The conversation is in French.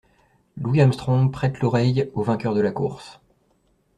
Louis Armstrong prête l'oreille au vainqueur de la course.